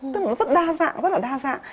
tức là nó rất đa dạng rất là đa dạng